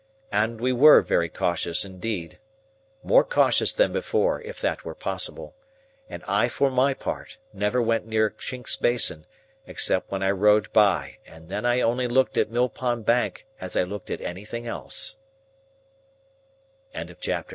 And we were very cautious indeed,—more cautious than before, if that were possible,—and I for my part never went near Chinks's Basin, except when I rowed by, and then I only looked at Mill Pond Bank as I looked at anything else. Chapter XLVIII.